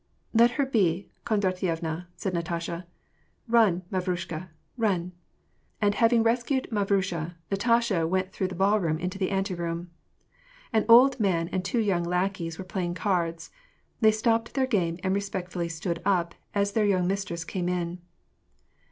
"Let her be, Kondratyevna," said Natasha "Run, Mav rusha, run." And having rescued Mavrusha, Natasha went through the ballroom into the anteroom. An old man and two young lackeys were playing cards. They stopped their game, and respectfully stood up as their young mistress came in.